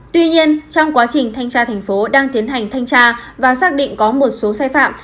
tuy nhiên trong quá trình thanh tra thành phố đang tiến hành thanh tra và xác định có một số sai phạm